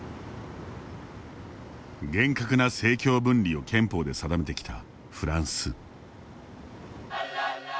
厳格な政教分離を憲法で定めてきたフランス。